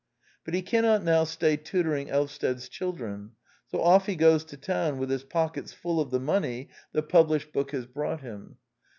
But he cannot now stay tutoring Elvsted's children; so off he goes to town with his pockets full of the money the published book The Anti Idealist Plays 131 has brought him.